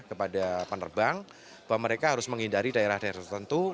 kepada penerbang bahwa mereka harus menghindari daerah daerah tertentu